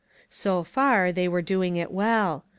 So fur, they were doing it well.